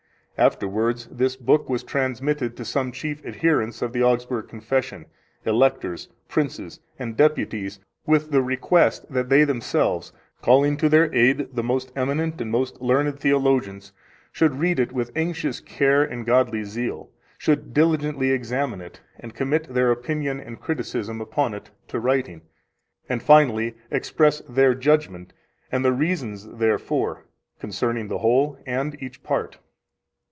Afterwards this book was transmitted to some chief adherents of the Augsburg Confession, Electors, Princes, and Deputies, with the request that they themselves, calling to their aid the most eminent and most learned theologians, should read it with anxious care and godly zeal, should diligently examine it, and commit their opinion and criticism upon it to writing, and, finally, express their judgment and the reasons therefore concerning the whole and each part.